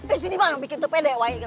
eh sini malah bikin tepede wahid